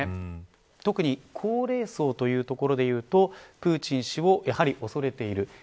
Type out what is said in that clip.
特に高齢層というところでいうとプーチン氏をやはり恐れている。